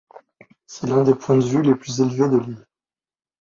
C'est l'un des points de vue les plus élevés de l'île.